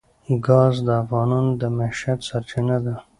ګاز د افغانانو د معیشت سرچینه ده.